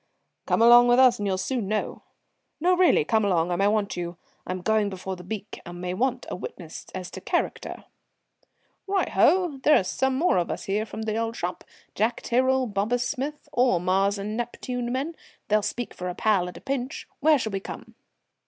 "Come on with us and you'll soon know. No, really, come along, I may want you. I'm going before the beak and may want a witness as to character." "Right oh! There are some more of us here from the old shop Jack Tyrrell, Bobus Smith all Mars and Neptune men. They'll speak for a pal at a pinch. Where shall we come?"